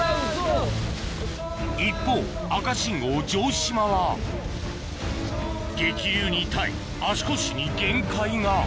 一方赤信号城島は激流に耐え足腰に限界が